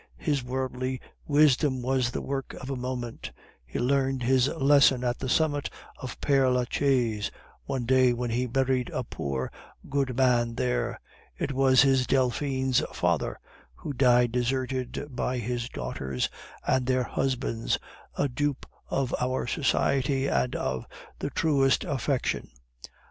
His worldly wisdom was the work of a moment; he learned his lesson at the summit of Pere Lachaise one day when he buried a poor, good man there; it was his Delphine's father, who died deserted by his daughters and their husbands, a dupe of our society and of the truest affection.